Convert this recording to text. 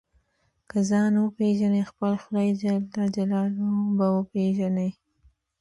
که ځان وپېژنې خپل خدای جل جلاله به وپېژنې.